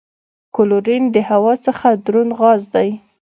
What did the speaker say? کلورین د هوا څخه دروند غاز دی.